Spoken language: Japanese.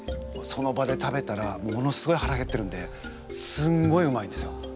その場で食べたらものすごいはらへってるんですごいうまいんですよ。